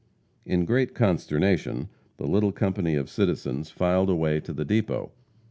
In great consternation, the little company of citizens filed away to the depot.